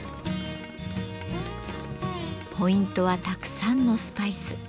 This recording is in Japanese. ポイントはたくさんのスパイス。